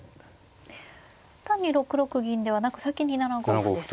単に６六銀ではなく先に７五歩ですか。